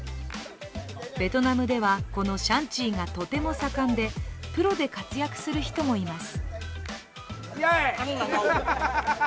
ベトナムでは、このシャンチーがとても盛んでプロで活躍する人もいます。